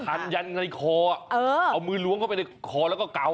ทันยันในคอเอามือล้วงเข้าไปในคอแล้วก็เกา